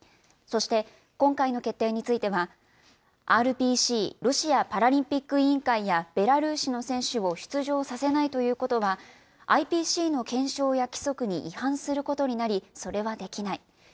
そして、今回の決定については、ＲＰＣ・ロシアパラリンピック委員会や、ベラルーシの選手を出場させないということは、ＩＰＣの憲章や規則に違反することになり、それはできない。